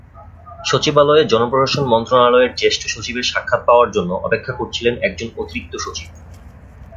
সচিবালয়ে জনপ্রশাসন মন্ত্রণালয়ের জ্যেষ্ঠ সচিবের সাক্ষাৎ পাওয়ার জন্য অপেক্ষা করছিলেন একজন অতিরিক্ত সচিব।